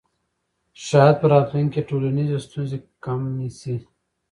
شاید په راتلونکي کې ټولنیزې ستونزې کمې سي.